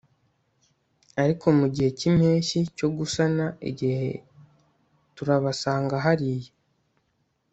ariko mugihe cyimpeshyi cyo gusana-igihe turabasanga hariya